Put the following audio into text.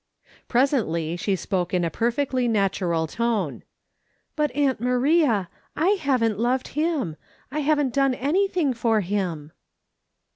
Presently she spoke in a perfectly natural tone :" But, aunt Maria, I haven't loved him. I haven't done anything for him."